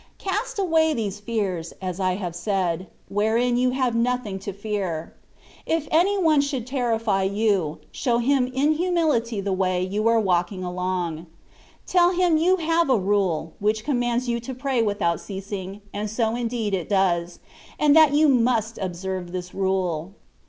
Cast away these fears, as I have said, wherein you have nothing to fear. If any one should terrify you, show him in humility the way [you are walking along;*] tell him you have a rule, which commands you to pray without ceasing (and so indeed it does), and that you must observe this rule.